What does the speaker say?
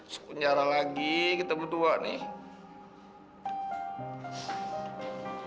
sepenjara lagi kita berdua nih